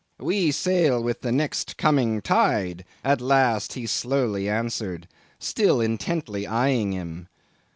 'We sail with the next coming tide,' at last he slowly answered, still intently eyeing him.